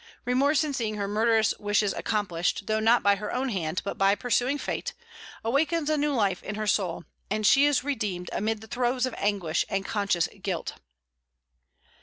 Remorse in seeing her murderous wishes accomplished though not by her own hand, but by pursuing fate awakens a new life in her soul, and she is redeemed amid the throes of anguish and conscious guilt.